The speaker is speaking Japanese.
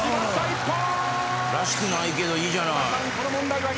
一本！らしくないけどいいじゃない。